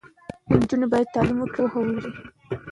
تعلیم د پوهې د ورکړې یوه مؤثره لاره ده.